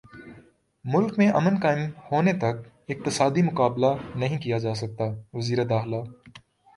ملک میں امن قائم ہونےتک اقتصادی مقابلہ نہیں کیاجاسکتاوزیرداخلہ